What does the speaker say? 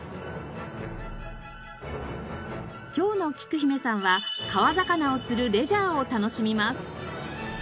今日のきく姫さんは川魚を釣るレジャーを楽しみます。